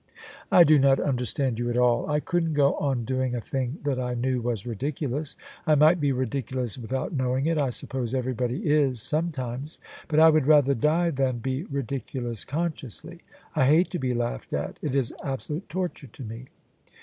" I do not understand you at all. I couldn't go on doing a thing that I knew was ridiculous. I might be ridiculous without knowing it: I suppose everybody is sometimes: but I would rather die than be ridiculous consciously. I hate to be laughed at : it is absolute torture to me."